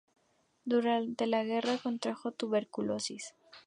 Durante la guerra, contrajo tuberculosis.